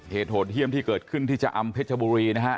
เหตุโหดเยี่ยมที่เกิดขึ้นที่ชะอำเพชรบุรีนะฮะ